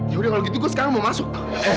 ya udah kalau gitu gue sekarang mau masuk